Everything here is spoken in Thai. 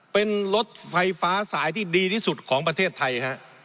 เป็นรถไฟฟ้าสายที่ดีที่สุดของประเทศไทยฮะ